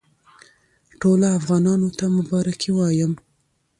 ټولو افغانانو ته مبارکي وایم.